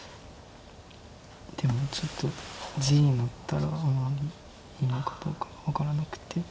でもちょっと地になったらあまり何かどうか分からなくて。